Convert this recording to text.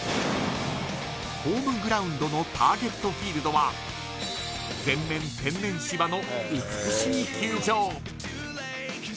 ホームグラウンドのターゲットフィールドは全面天然芝の美しい球場。